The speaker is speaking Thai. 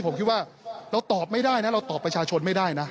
ผมคิดว่าเราตอบไม่ได้นะเราตอบประชาชนไม่ได้นะ